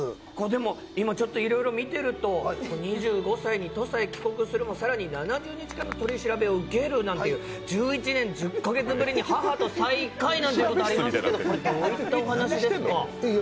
今いろいろ見てると、２５歳に土佐へ帰国するも、さらに７２時間の取り調べを受けるなんていう１１年１０カ月ぶりに母と再会なんてことありますけどどういったお話ですか？